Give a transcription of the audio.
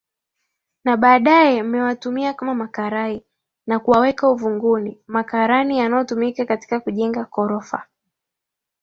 Na baadae mmewatumia kama makarai na kuwaweka uvunguni makarani yanatumika katika kujenga korofa